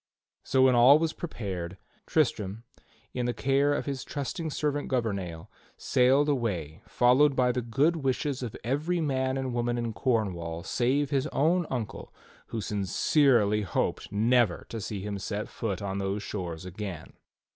So when all was prepared, Tristram, in the care of his trusted serving man Gouvernail, sailed away followed by the good wishes of every man and woman in Cornwall save his own uncle who sin cerely hoped never to see him set foot on those shores again.